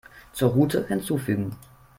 Zur Route hinzufügen.